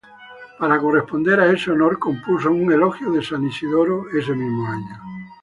Para corresponder a ese honor compuso un "Elogio de San Isidoro" ese mismo año.